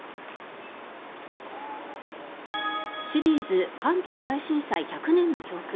シリーズ関東大震災１００年の教訓。